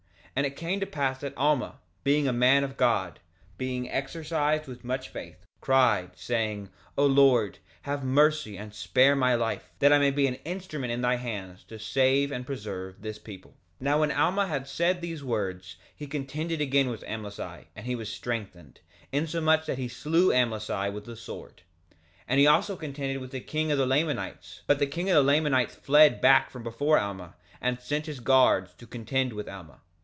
2:30 And it came to pass that Alma, being a man of God, being exercised with much faith, cried, saying: O Lord, have mercy and spare my life, that I may be an instrument in thy hands to save and preserve this people. 2:31 Now when Alma had said these words he contended again with Amlici; and he was strengthened, insomuch that he slew Amlici with the sword. 2:32 And he also contended with the king of the Lamanites; but the king of the Lamanites fled back from before Alma and sent his guards to contend with Alma.